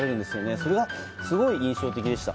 それが、すごい印象的でした。